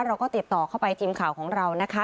เราก็ติดต่อเข้าไปทีมข่าวของเรานะคะ